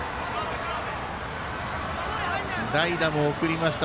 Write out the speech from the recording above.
代打も送りました。